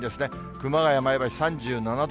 熊谷、前橋３７度。